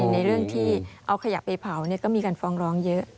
ในเรื่องที่เอาขยะไปเผาก็มีการฟ้องร้องเยอะ